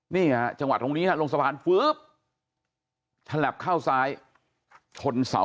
นี่ฮะจังหวะตรงนี้ลงสะพานฟื๊บฉลับเข้าซ้ายชนเสา